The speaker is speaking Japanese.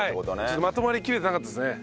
ちょっとまとまりきれてなかったですね。